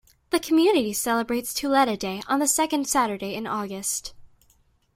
The community celebrates Tuleta Day on the second Saturday in August.